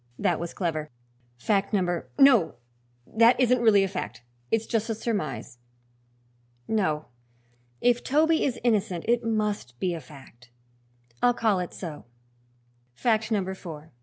That was clever. Fact number No! that isn't really a fact; it's just a surmise. No, if Toby is innocent it must be a fact. I'll call it so Fact number four."